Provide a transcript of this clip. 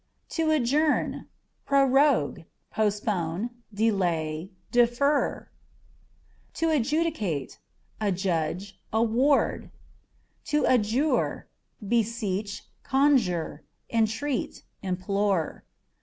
To Adjourn â€" prorogue ; postpone, delay, defer. To Adjudicate â€" adjudge, award. To Adjure â€" beseech, conjure, entreat, implore.